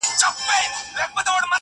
ه ياره د څراغ د مــړه كولو پــه نـيت,